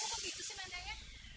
kok begitu sih nandanya